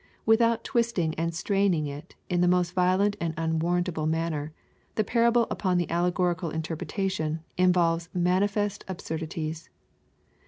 Without twisting and straining it in the most violent and unwarrantable manner, the parable, upon the allegorical interpretation, involves manifest absurdities.